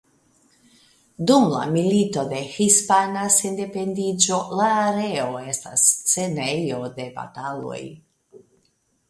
Dum la Milito de Hispana Sendependiĝo la areo estas scenejo de bataloj.